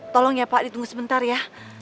tolong ya pak ditunggu sebentar ya